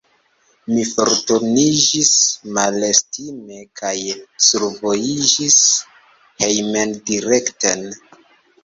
Mi forturniĝis malestime kaj survojiĝis hejmdirekten.